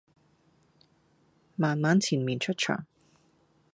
慢慢纏綿出場